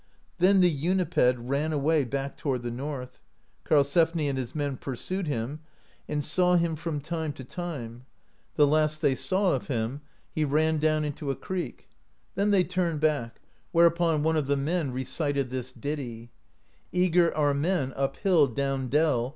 Then the Uniped ran away back toward the north, Karl sefni and his men pursued him, and saw him from time « 59 AMERICA DISCOVERED BY NORSEMEN to time. The last they saw of him, he ran down into a creek. Then they turned back; whereupon one of the men recited this ditty : Eager, our men, up hill, down dell.